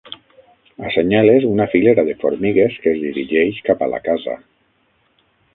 Assenyales una filera de formigues que es dirigeix cap a la casa.